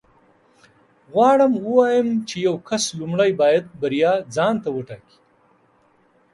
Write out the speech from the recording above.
غواړم ووایم چې یو کس لومړی باید بریا ځان ته وټاکي